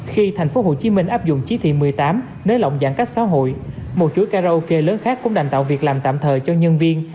khi tp hcm áp dụng trí thị một mươi tám nới lỏng giãn cách xã hội một chuỗi karaoke lớn khác cũng đành tạo việc làm tạm thời cho nhân viên